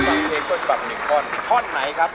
ตอนนี้เลือกแผ่นนะครับ